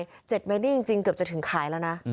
๗เมตรนี่จริงเกือบจะถึงขายแล้วนะ